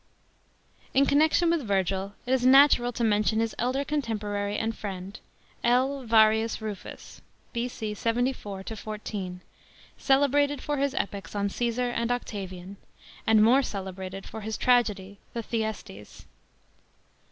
§ 3. In connection with Virgil, it is natural to mention his elder contemporary and friend, L. VARIUS RUFUS (B.C. 74 14), celebrated for his epics on Csesar and Octavian,J and more celebrated for his tragedy the Thyesfes.